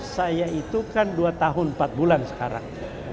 saya itu kan dua tahun empat bulan sekarang